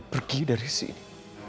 pergi dari sini